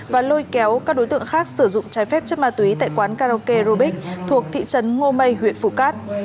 và lôi kéo các đối tượng khác sử dụng trái phép chất ma túy tại quán karaoke rubique thuộc thị trấn ngô mây huyện phù cát